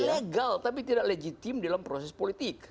legal tapi tidak legitim dalam proses politik